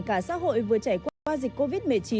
cả xã hội vừa trải qua dịch covid một mươi chín